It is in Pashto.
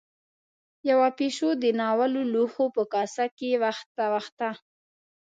يوه پيشو د ناولو لوښو په کاسه کې وخته.